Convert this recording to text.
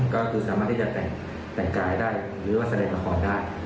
ก็คือสามารถที่จะแต่งกายได้หรือว่าแสดงละครได้